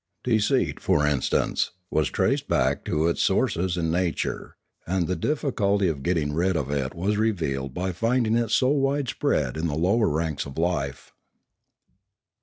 Deceit, for instance, 606 Limanora was traced back to its sources in nature, and the diffi culty of getting rid of it was revealed by finding it so wide spread in the lower ranks of life.